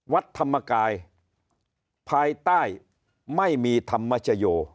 วัดธรรมกายภายใต้ไม่มีธรรมชโย